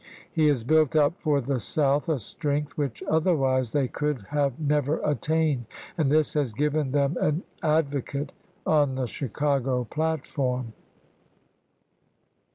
He has built up for the South a strength which otherwise they could have never attained, and this has given them an advocate on the Chicago platform."